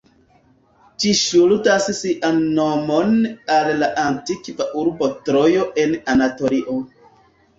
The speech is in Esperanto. Ĝi ŝuldas sian nomon al la antikva urbo Trojo en Anatolio.